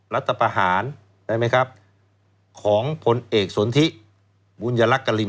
รัฐประหารได้ไหมครับของผลเอกสนทิบุญยลักษ์กะลิง